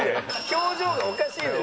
表情がおかしいのよ